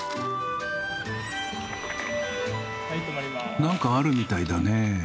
何かあるみたいだね。